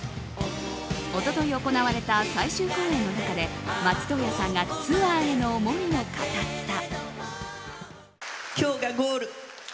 一昨日行われた最終公演の中で松任谷さんがツアーへの思いを語った。